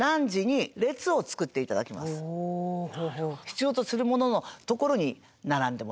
必要とするもののところに並んでもらう。